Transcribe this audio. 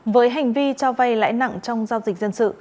với hành vi cho vay lãi nặng trong giao dịch dân sự